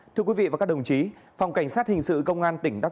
thưa quý vị và các đồng chí phòng cảnh sát hình sự công an tỉnh đắk lắc